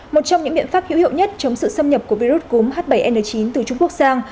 một trong những biện pháp hữu hiệu nhất chống sự xâm nhập của virus cúm h bảy n chín từ trung quốc sang